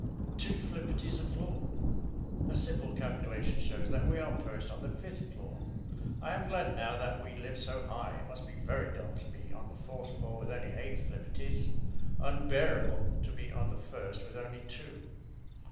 Two flipperties a floor. (A simple calculation shows that we are perched on the fifth floor. I am glad now that we live so high. It must be very dull to be on the fourth floor with only eight flipperties, unbearable to be on the first with only two.)